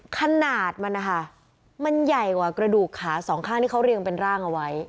ขนาดมันนะคะมันใหญ่กว่ากระดูกขาสองข้างที่เขาเรียงเป็นร่างเอาไว้